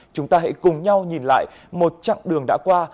chúng ta hãy cùng nhau nhìn lại một chặng đường đã qua